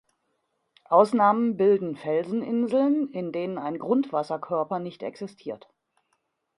Ausnahmen bilden Felseninseln, in denen ein Grundwasserkörper nicht existiert.